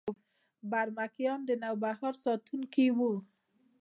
برمکیان د نوبهار ساتونکي وو